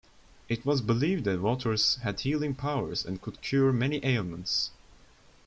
It was believed the waters had healing powers and could cure many ailments.